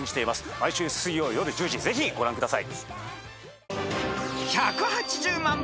毎週水曜夜１０時ぜひご覧ください。